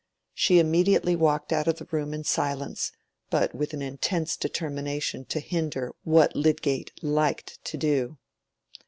She immediately walked out of the room in silence, but with an intense determination to hinder what Lydgate liked to do.